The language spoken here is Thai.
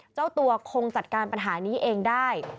เจ้าตัวคงจัดการปัญหานี้เองได้